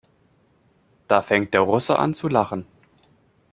Da fängt der Russe an zu lachen.